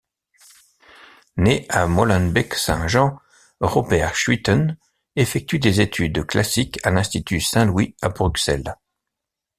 Né à Molenbeek-Saint-Jean, Robert Schuiten effectue des études classiques à l'Institut Saint-Louis à Bruxelles.